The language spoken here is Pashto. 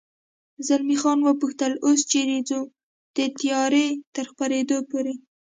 زلمی خان و پوښتل: اوس چېرې ځو؟ د تیارې تر خپرېدو پورې.